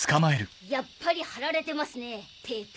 やっぱり貼られてますねテープ。